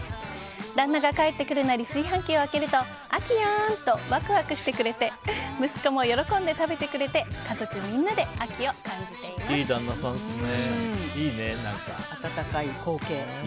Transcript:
旦那が帰ってくるなり炊飯器を開けると秋やーん！とワクワクしてくれて息子も喜んで食べてくれていい旦那さんですね。